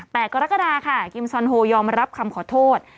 กรกฎาค่ะกิมซอนโฮยอมรับคำขอโทษ